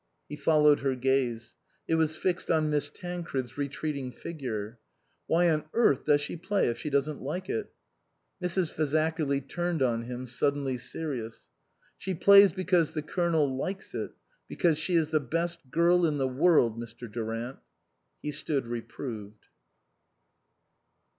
He followed her gaze. It was fixed on Miss Tancred's retreating figure. " Why on earth does she play if she doesn't like it?" Mrs. Fazakerly turned on him, suddenly serious. " She plays because the Colonel likes it be cause she is the best girl in the world, Mr. Durant." He stood reproved.